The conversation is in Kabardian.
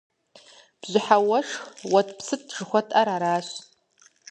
Бжьыхьэ уэшх, уэтӀпсытӀ жыхуэтӀэр аращ.